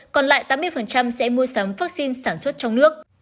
còn lại tám mươi sẽ mua sắm vaccine sản xuất trong nước